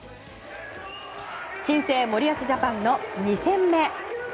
新生森保ジャパンの２戦目。